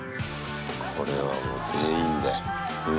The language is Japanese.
これはもう全員で、うん。